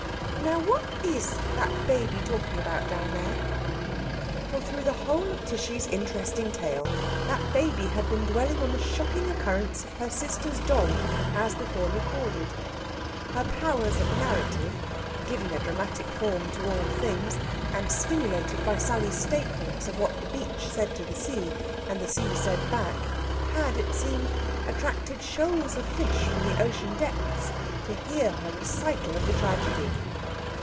Now what is that baby talking about down there?" For through the whole of Tishy's interesting tale that baby had been dwelling on the shocking occurrence of her sister's doll as before recorded. Her powers of narrative giving a dramatic form to all things, and stimulated by Sally's statements of what the beach said to the sea, and the sea said back had, it seemed, attracted shoals of fish from the ocean depths to hear her recital of the tragedy.